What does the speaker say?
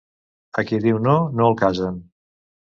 A qui diu no, no el casen.